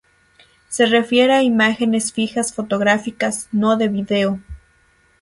Se refiere a imágenes fijas fotográficas, no de video.